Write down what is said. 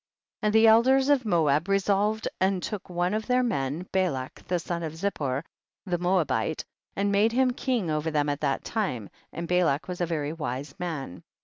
37. And the ciders of Moab re solved and took one of their men, Balak the son of Zippor the Moab ite, and made him king over them at that time, and Balak was a very wise man.